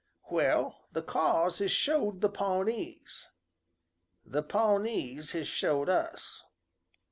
Well, the Kaws has showed the Pawnees. The Pawnees has showed us."